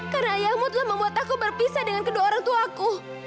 karena ayahmu telah membuat aku berpisah dengan kedua orang tuaku